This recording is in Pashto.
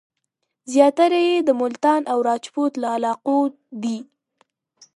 زیاتره یې د ملتان او راجپوت له علاقو دي.